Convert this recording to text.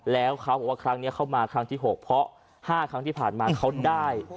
แล้วเขาบอกว่าครั้งนี้เข้ามาครั้งที่๖เพราะ๕ครั้งที่ผ่านมาเขาได้